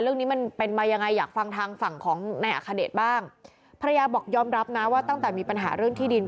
มันเป็นมายังไงอยากฟังทางฝั่งของนายอัคเดชบ้างภรรยาบอกยอมรับนะว่าตั้งแต่มีปัญหาเรื่องที่ดิน